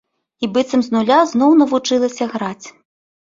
І быццам з нуля зноў навучылася граць.